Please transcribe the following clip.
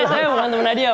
saya bukan temen nadia pak